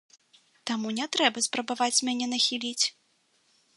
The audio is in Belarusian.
Таму не трэба спрабаваць мяне нахіліць!